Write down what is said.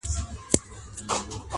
لا تر څو به دي قسمت په غشیو ولي.!